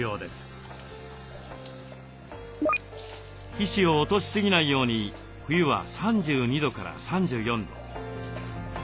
皮脂を落としすぎないように冬は３２度３４度。